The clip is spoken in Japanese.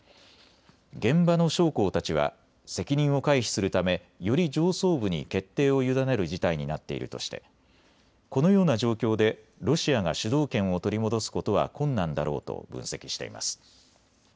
現場の将校たちは責任を回避するため、より上層部に決定を委ねる事態になっているとしてこのような状況でロシアが主導権を取り戻すことは困難だろうと分析しています。